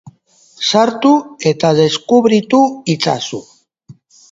Sartu eta deskubritu itzazu!